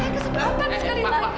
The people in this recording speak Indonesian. kasih saya kesempatan sekali lagi